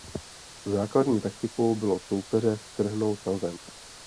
Základní taktikou bylo soupeře strhnout na zem.